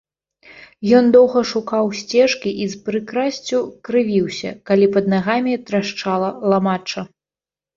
Ён доўга шукаў сцежкі і з прыкрасцю крывіўся, калі пад нагамі трашчала ламачча.